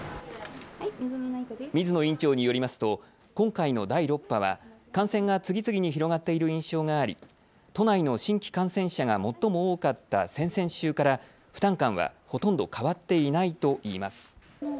水野院長によりますと今回の第第６波は感染が次々に広がっている印象があり都内の新規感染者が最も多かった先々週から負担感はほとんど変わっていないといいます。